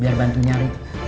biar bantu nyari